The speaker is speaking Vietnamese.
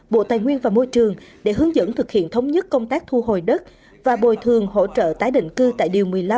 bộ tài nguyên và môi trường để hướng dẫn thực hiện thống nhất công tác thu hồi đất và bồi thường hỗ trợ tái định cư tại điều một mươi năm